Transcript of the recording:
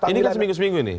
ini kan seminggu seminggu ini